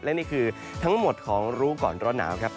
และนี่คือทั้งหมดของรู้ก่อนร้อนหนาวครับ